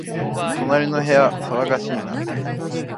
隣の部屋、騒がしいな